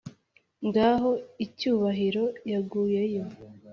ngaho icyubahiro yaguyeyo -